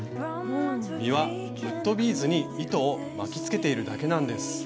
実はウッドビーズに糸を巻きつけているだけなんです！